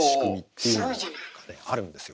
あるんですよ。